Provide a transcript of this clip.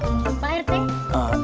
lumpa air tek